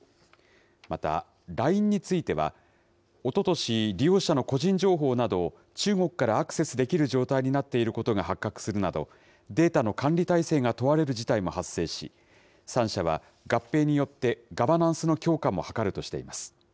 また、ＬＩＮＥについては、おととし、利用者の個人情報など、中国からアクセスできる状態になっていることが発覚するなど、データの管理体制が問われる事態も発生し、３社は、合併によってガバナンスの強化も図るとしています。